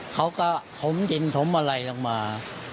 เขาก็ถมดินถมอะไรลงมา